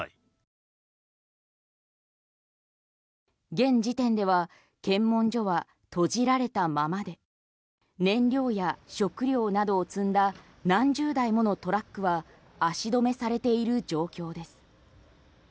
現時点では検問所は閉じられたままで燃料や食料などを積んだ何十台ものトラックは足止めされている状況です。